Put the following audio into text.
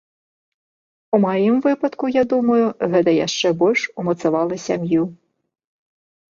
У маім выпадку, я думаю, гэта яшчэ больш умацавала сям'ю.